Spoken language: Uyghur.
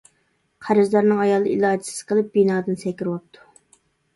قەرزدارنىڭ ئايالى ئىلاجىسىز قېلىپ، بىنادىن سەكرىۋاپتۇ.